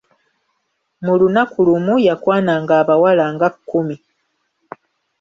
Mu lunaku lumu yakwananga abawala nga kkumi.